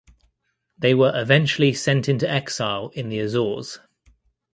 They were eventually sent into exile in the Azores.